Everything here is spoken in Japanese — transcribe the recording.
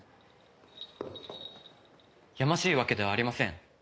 やましいわけではありません。